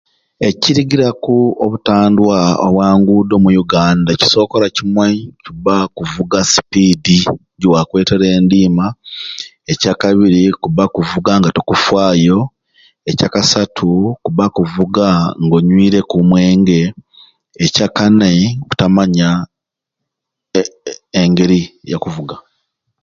Ekirigiraku obutandwa obwa nguudo omu Yuganda ekisookera kimwe kubba kuvuga sipiidi giwakwetere endiima ekyakabiri kubba kuvuga nga tokufaayo ekyakasatu kubba kuvuga nga onywireku omwenge ekyakanai butamanya e e engeri yakuvuga.